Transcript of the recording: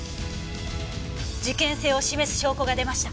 事件性を示す証拠が出ました。